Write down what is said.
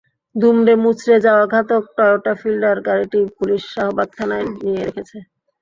দুমড়ে মুচড়ে যাওয়া ঘাতক টয়োটা ফিল্ডার গাড়িটি পুলিশ শাহবাগ থানায় নিয়ে রেখেছে।